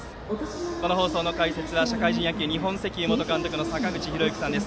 この放送の解説は社会人野球、日本石油元監督の坂口裕之さんです。